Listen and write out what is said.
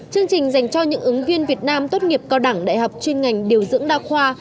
chương trình dành cho những ứng viên việt nam tốt nghiệp cao đẳng đại học chuyên ngành điều dưỡng đa khoa